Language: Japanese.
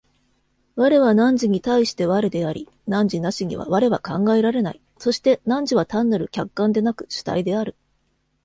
我は汝に対して我であり、汝なしには我は考えられない、そして汝は単なる客観でなく主体である。